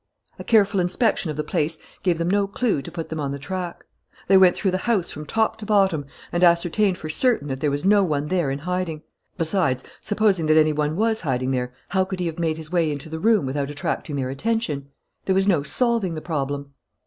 A careful inspection of the place gave them no clue to put them on the track. They went through the house from top to bottom and ascertained for certain that there was no one there in hiding. Besides, supposing that any one was hiding there, how could he have made his way into the room without attracting their attention? There was no solving the problem.